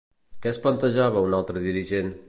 Què es plantejava un altre dirigent?